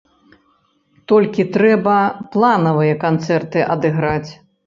Толькі трэба планавыя канцэрты адыграць.